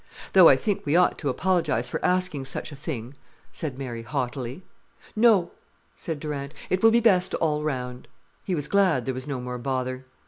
"Though I think we ought to apologize for asking such a thing," said Mary haughtily. "No," said Durant. "It will be best all round." He was glad there was no more bother.